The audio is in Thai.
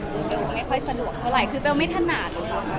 แบลล์ไม่ค่อยสะดวกเท่าไหร่แบลล์ไม่ถนาด